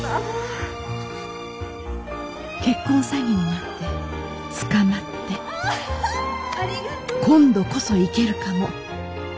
結婚詐欺になって捕まって今度こそ行けるかも。